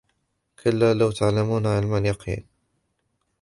كلا لو تعلمون علم اليقين